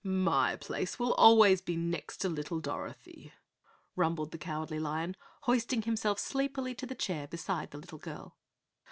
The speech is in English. "My place will always be next to little Dorothy," rumbled the Cowardly Lion, hoisting himself sleepily to the chair beside the little girl.